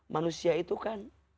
manusia itu kan